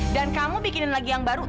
dan kamu bikinin lagi yang baru